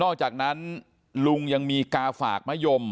จากนั้นลุงยังมีกาฝากมะยม